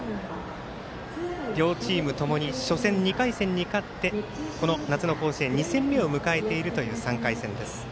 両チームともに初戦２回戦に勝ってこの夏の甲子園２戦目を迎えている３回戦。